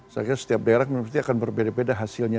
saya kira setiap daerah pasti akan berbeda beda hasilnya